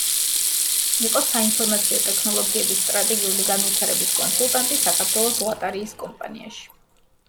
იყო საინფორმაციო ტექნოლოგიების სტრატეგიული განვითარების კონსულტანტი საქართველოს ლატარიის კომპანიაში.